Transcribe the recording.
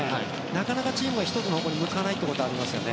なかなかチームが１つの方向に向かないってことがあるから。